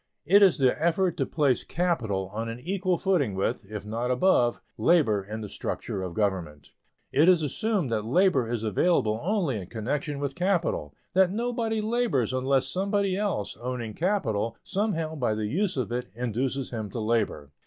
It is the effort to place capital on an equal footing with, if not above, labor in the structure of government. It is assumed that labor is available only in connection with capital; that nobody labors unless somebody else, owning capital, somehow by the use of it induces him to labor.